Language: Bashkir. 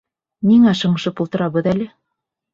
Ниңә шыңшып ултырабыҙ әле?